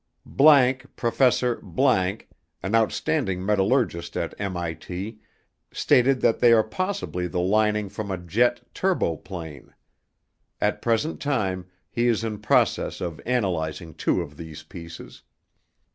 ____ PROFESSOR ____ AN OUTSTANDING METALLURGIST AT MIT, STATED THAT THEY ARE POSSIBLY THE LINING FROM A JET TURBO PLANE. AT PRESENT TIME HE IS IN PROCESS OF ANALYZING TWO OF THESE PIECES.